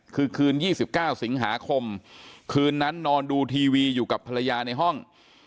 คือคืน๒๙สิงหาคมคืนนั้นนอนดูทีวีอยู่กับภรรยาในห้อง